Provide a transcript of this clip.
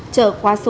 trở quá súng